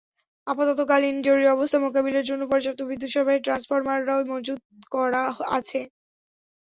আপত্কালীন জরুরি অবস্থা মোকাবিলার জন্য পর্যাপ্ত বিদ্যুৎ সরবরাহের ট্রান্সফরমারও মজুত করা আছে।